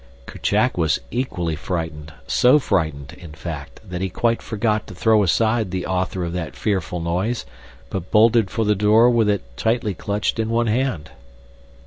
Kerchak was equally frightened, so frightened, in fact, that he quite forgot to throw aside the author of that fearful noise, but bolted for the door with it tightly clutched in one hand.